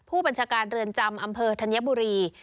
ผู้บัญชาการเรือนจำอำเภอธัญบุรี